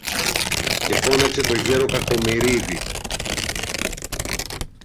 Και φώναξε το γερο-Κακομοιρίδη